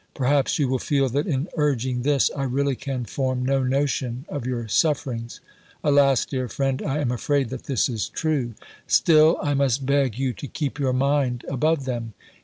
Perhaps you will feel that in urging this I really can form no notion of your sufferings. Alas, dear friend, I am afraid that this is true. Still I must beg you to keep your mind above them.